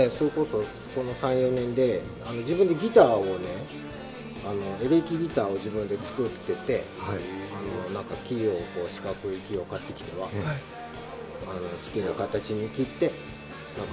この３４年で自分でギターをね、エレキギターを自分で作ってて、四角い木を買ってきて、好きな形に切って。